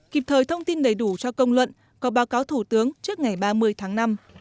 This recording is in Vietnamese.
kịp thời thông tin đầy đủ cho công luận có báo cáo thủ tướng trước ngày ba mươi tháng năm